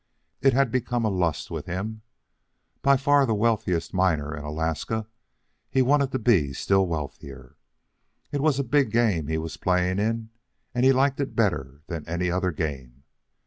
It had become a lust with him. By far the wealthiest miner in Alaska, he wanted to be still wealthier. It was a big game he was playing in, and he liked it better than any other game.